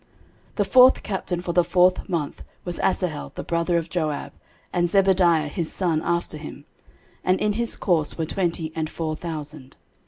13:027:007 The fourth captain for the fourth month was Asahel the brother of Joab, and Zebadiah his son after him: and in his course were twenty and four thousand.